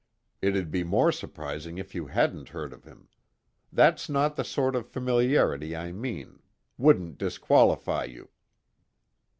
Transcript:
It'd be more surprising if you hadn't heard of him. That's not the sort of familiarity I mean wouldn't disqualify you."